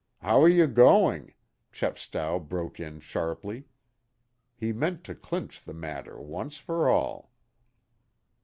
How are you going?" Chepstow broke in sharply. He meant to clinch the matter once for all.